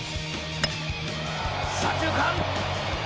左中間！